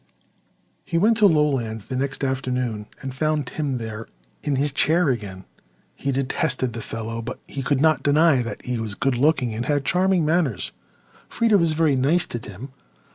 He went to Lowlands the next afternoon and found Tim there—in his chair again. He detested the fellow but he could not deny that he was good looking and had charming manners. Freda was very nice to Tim.